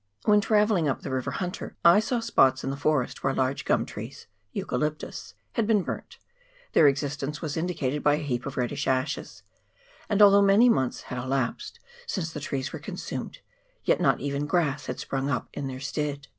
When travelling CHAP. XXIV.] CLEARING BY BURNING, 369 up the river Hunter I saw spots in the forest where large gum trees (Eucalyptus) had been burnt ; their existence was indicated by a heap of reddish ashes, and although many months had elapsed since the trees were consumed, yet not even grass had sprung up in their stead.